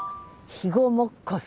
肥後もっこす。